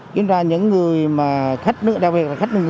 kiểm tra những người mà khách nước